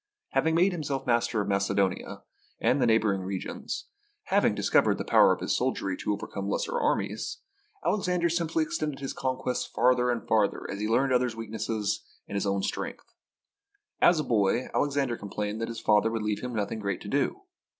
Having made himself master of Macedonia and the neighbouring regions, having discovered the power of his soldiery to overcome less trained armies, Alexander simply extended his conquests farther and farther as he learned others' weakness and his own strength. As a boy, Alexander complained that his father would leave him nothing great to do.